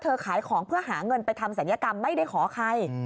ขายของเพื่อหาเงินไปทำศัลยกรรมไม่ได้ขอใคร